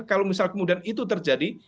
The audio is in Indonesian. kalau misal kemudian itu terjadi